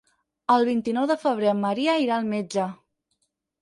El vint-i-nou de febrer en Maria irà al metge.